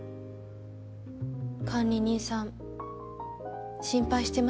管理人さん心配してました。